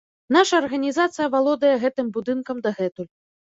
Наша арганізацыя валодае гэтым будынкам дагэтуль.